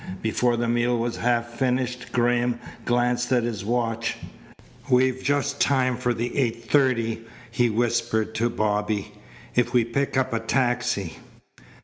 Before the meal was half finished Graham glanced at his watch. "We've just time for the eight thirty," he whispered to Bobby, "if we pick up a taxi."